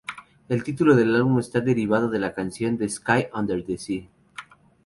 El título del álbum está derivado de la canción "The Sky Under the Sea".